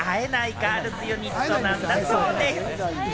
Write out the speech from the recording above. ガールズユニットだそうです。